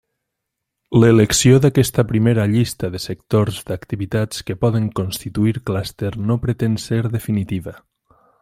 L'elecció d'aquesta primera llista de sectors d'activitats que poden constituir clúster no pretén ser definitiva.